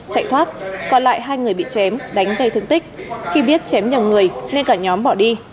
chạy thoát còn lại hai người bị chém đánh gây thương tích khi biết chém nhiều người nên cả nhóm bỏ đi